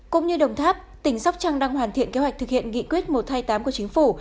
cũng như đồng tháp tỉnh sóc trăng đang hoàn thiện kế hoạch thực hiện nghị quyết một trăm hai mươi tám của chính phủ